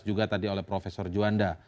juga tadi oleh profesor juanda